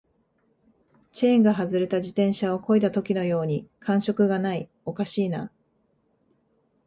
チェーンが外れた自転車を漕いだときのように感触がない、おかしいな